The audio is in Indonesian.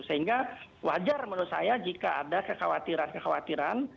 sehingga wajar menurut saya jika ada kekhawatiran kekhawatiran